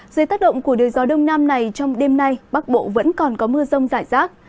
dưới tác động của đời gió đông nam này trong đêm nay bắc bộ vẫn còn có mưa rông rải rác